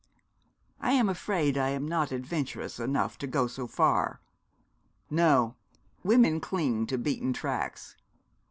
'I am afraid I am not adventurous enough to go so far.' 'No: women cling to beaten tracks.'